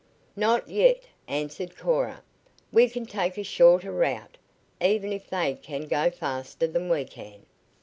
"Not yet," answered Cora. "We can take a shorter route, even if they can go faster than we can."